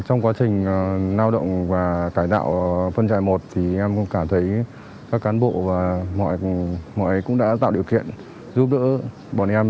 trong quá trình lao động và cải tạo phân trại một thì em cảm thấy các cán bộ và mọi cũng đã tạo điều kiện giúp đỡ bọn em